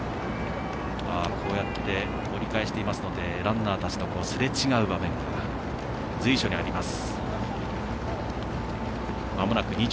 こうやって折り返していますのでランナーたちと、すれ違う場面が随所にあります。